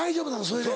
それで。